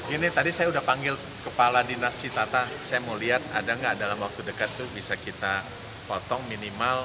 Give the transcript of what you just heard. ini tadi saya sudah panggil kepala dinas sitata saya mau lihat ada nggak dalam waktu dekat itu bisa kita potong minimal